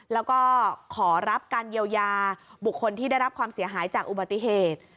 แล้วก็ขอรับการเยียวยาบุคคลที่ได้รับความเสียหายจากอุบัติเหตุ